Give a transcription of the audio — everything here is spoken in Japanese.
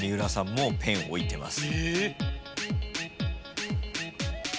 もうペンを置いてます。